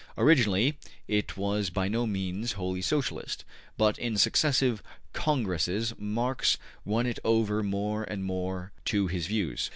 Originally it was by no means wholly Socialist, but in successive Congresses Marx won it over more and more to his views.